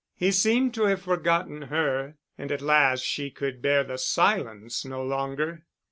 He seemed to have forgotten her—and at last she could bear the silence no longer.